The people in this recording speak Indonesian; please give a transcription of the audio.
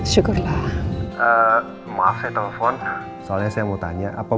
sekarang apa kabar